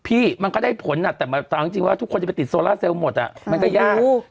มันก็ได้ผลแต่เอาจริงว่าทุกคนจะไปติดโซล่าเซลล์หมดมันก็ยาก